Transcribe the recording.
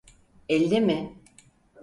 Elli mi?